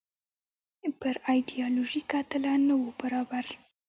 پر ایډیالوژیکه تله نه وو برابر.